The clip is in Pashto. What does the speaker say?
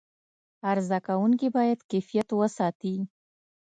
عرضه کوونکي باید کیفیت وساتي.